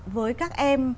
với các em